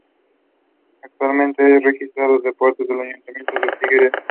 Actualmente es regidor de Deportes en el Ayuntamiento de Figueras.